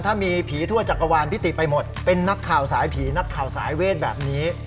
ถ้ามีผีทั่วจักรวาลพิติไปหมดเป็นนักข่าวสายผีนักข่าวสายเวทแบบนี้